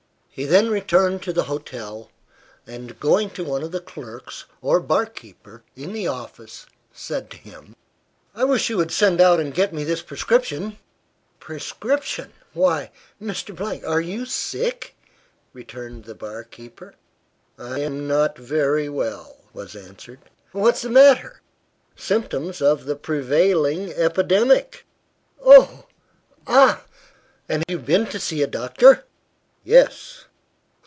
He then returned to the hotel, and, going to one of the clerks, or bar keeper, in the office, said to him "I wish you would send out and get me this prescription." "Prescription! Why, Mr. , are you sick?" returned the bar keeper. "I'm not very well," was answered. "What's the matter?" "Symptoms of the prevailing epidemic." "Oh! Ah! And you've been to see a doctor?" "Yes."